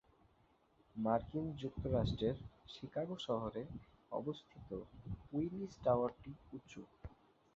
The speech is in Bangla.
মার্কিন যুক্তরাষ্ট্রের শিকাগো শহরে অবস্থিত উইলিস টাওয়ারটি উঁচু।